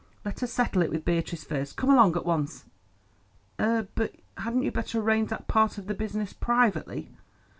Let us settle it with Beatrice first. Come along at once." "Eh, but hadn't you better arrange that part of the business privately?"